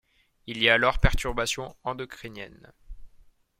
Il y a alors perturbation endocrinienne.